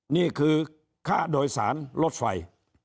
นี่คือค่าโดยสารรถไฟ